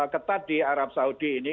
ketat di arab saudi ini